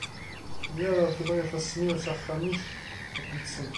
Mi ara refdeɣ ifassen-iw s axxam-ik iqedsen.